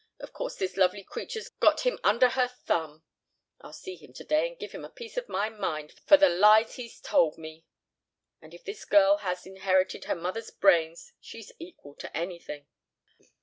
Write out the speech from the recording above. Of course this lovely creature's got him under her thumb. (I'll see him today and give him a piece of my mind for the lies he's told me.) And if this girl has inherited her mother's brains, she's equal to anything."